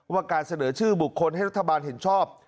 การเสนอชื่อบุคคลให้รัฐบาลเห็นชอบ